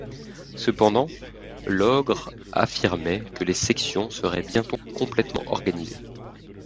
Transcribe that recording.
Cependant, Logre affirmait que les sections seraient bientôt complètement organisées.